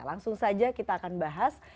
langsung saja kita akan bahas